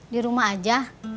di rumah aja